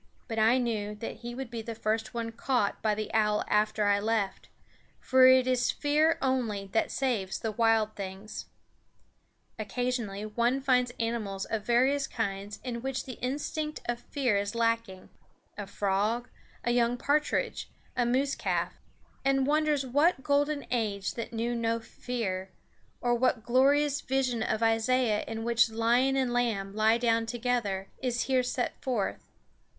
But I knew that he would be the first one caught by the owl after I left; for it is fear only that saves the wild things. Occasionally one finds animals of various kinds in which the instinct of fear is lacking a frog, a young partridge, a moose calf and wonders what golden age that knew no fear, or what glorious vision of Isaiah in which lion and lamb lie down together, is here set forth.